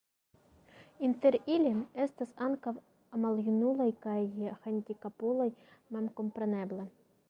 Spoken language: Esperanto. Inter ili estas ankaŭ maljunuloj kaj handikapuloj memkompreneble.